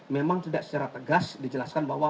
memang tidak secara tegas dijelaskan bahwa